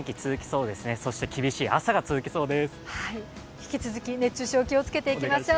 引き続き熱中症に気をつけていきましょう。